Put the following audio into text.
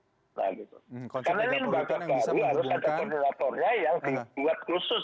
karena ini lembaga baru harus ada koordinatornya yang dibuat khusus